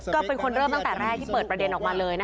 ก็เป็นคนเริ่มตั้งแต่แรกที่เปิดประเด็นออกมาเลย